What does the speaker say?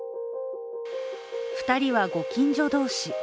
２人はご近所同士。